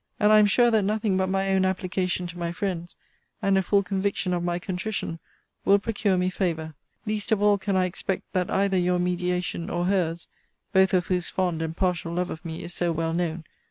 And I am sure that nothing but my own application to my friends, and a full conviction of my contrition, will procure me favour. Least of all can I expect that either your mediation or her's (both of whose fond and partial love of me is so well known) will avail me.